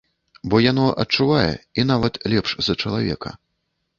Бо яно адчувае, і нават лепш за чалавека.